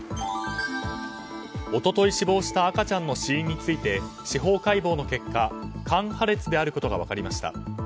一昨日死亡した赤ちゃんの死因について司法解剖の結果肝破裂であることが分かりました。